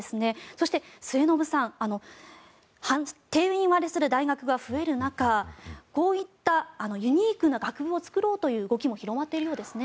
そして、末延さん定員割れする大学が増える中こういったユニークな学部を作ろうという動きも始まっているみたいですね。